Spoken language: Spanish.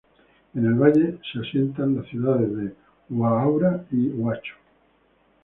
En el valle se asientan las ciudades de Huaura y Huacho.